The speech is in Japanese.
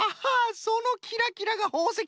そのキラキラがほうせきか。